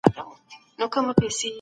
د انسان کرامت باید سپک نه.